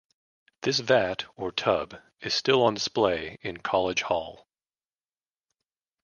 This vat or tub is still on display in College Hall.